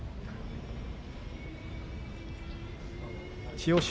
千代翔